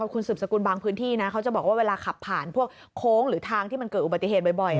คุณสืบสกุลบางพื้นที่นะเขาจะบอกว่าเวลาขับผ่านพวกโค้งหรือทางที่มันเกิดอุบัติเหตุบ่อย